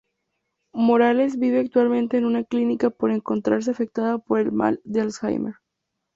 Morales vive actualmente en una clínica por encontrarse afectada por el Mal de Alzheimer.